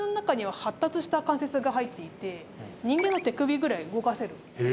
このひれの中には発達した関節が入っていて、人間の手首ぐらい動かせる。